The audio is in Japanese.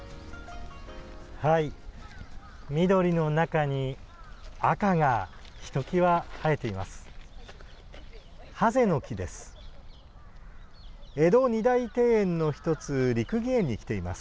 緑の中に赤がひときわ映えています。